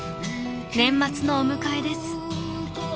［年末のお迎えです］